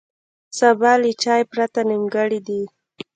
سبا له چای پرته نیمګړی دی.